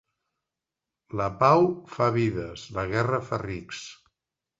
La pau fa vides; la guerra fa rics.